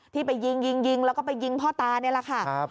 ที่ไปยิงยิงแล้วก็ไปยิงพ่อตานี่แหละค่ะ